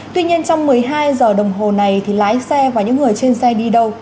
tuy nhiên trong một mươi hai giờ đồng hồ này thì lái xe và những người trên xe đi đâu